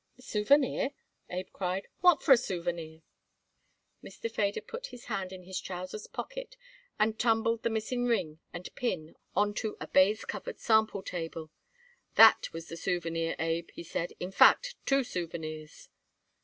"A souvenir!" Abe cried. "What for a souvenir?" Mr. Feder put his hand in his trousers pocket and tumbled the missing ring and pin on to a baize covered sample table. "That was the souvenir, Abe," he said. "In fact, two souvenirs."